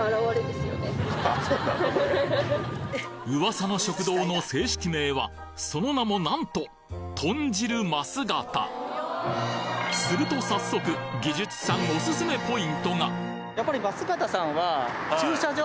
噂の食堂の正式名はその名もなんとすると早速技術さんおすすめポイントがやっぱり。